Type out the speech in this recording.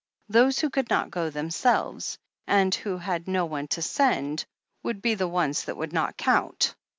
Those who could not go themselves, and who had no one to send, would be the ones that would not count.